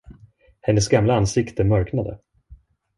Hennes gamla ansikte mörknade.